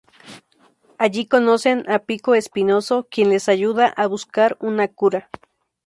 Allí conocen a Pico Espinoso, quien les ayuda a buscar una cura.